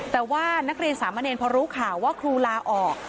แต่ว่านักเรียนสามะเนรพอรู้ข่าวว่าครูลาออก